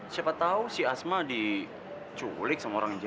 siapa tahu si asma diculik sama orang jahat kan